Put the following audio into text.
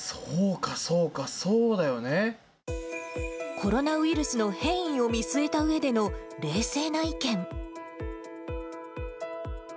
コロナウイルスの変異を見据えたうえでの冷静な意見。